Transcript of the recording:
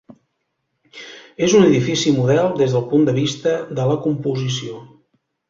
És un edifici model des del punt de vista de la composició.